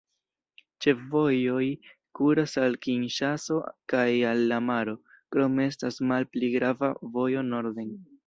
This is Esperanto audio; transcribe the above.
Ĉefvojoj kuras al Kinŝaso kaj al la maro, krome estas malpli grava vojo norden.